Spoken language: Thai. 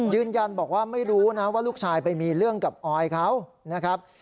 ยืนยันบอกว่าไม่รู้นะว่าลูกชายไปมีเรื่องกับออยเขานะครับ